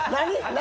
何？